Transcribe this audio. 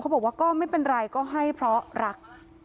บอกว่าก็ไม่เป็นไรก็ให้เพราะรัก